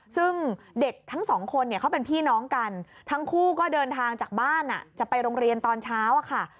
ซึ่งเด็กทั้งสองคนเนี่ยเขาเป็นพี่น้องกันทั้งคู่ก็เดินทางจากบ้านจะไปโรงเรียนตอนเช้าอะค่ะ